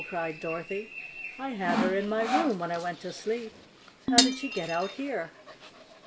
cried Dorothy. "I had her in my room when I went to sleep. How did she get out here?"